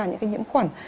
những cái nhiễm khuẩn